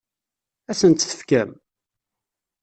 Ad asen-tt-tefkem?